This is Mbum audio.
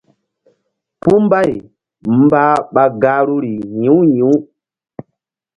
Puh mbay mbah ɓa gahruri yi̧w yi̧w.